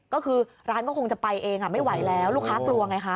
ก็คือร้านก็คงจะไปเองไม่ไหวแล้วลูกค้ากลัวไงคะ